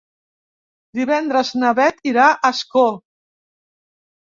Divendres na Beth irà a Ascó.